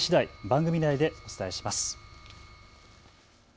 番組内でお伝えします。